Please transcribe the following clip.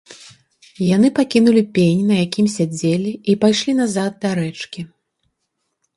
Яны пакінулі пень, на якім сядзелі, і пайшлі назад да рэчкі.